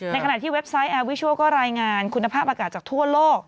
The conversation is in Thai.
ในขณะที่เว็บไซต์แอร์วิชัลก็รายงานคุณภาพอากาศจากทั่วโลก